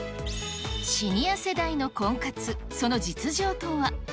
シニア世代の婚活、その実情とは。